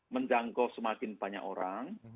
menjangkau semakin banyak orang